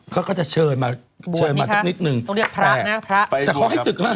เขาก็จะเชิญมาเชิญมาสักนิดนึงต้องเรียกพระนะพระไปแต่เขาให้ศึกแล้ว